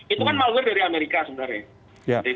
itu kan malware dari amerika sebenarnya